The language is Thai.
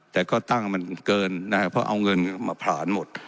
แต่ก็ตั้งมันเกินนะครับเพราะเอาเงินมาผลาญหมด